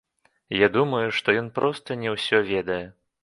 Я думаю, што ён проста не ўсё ведае.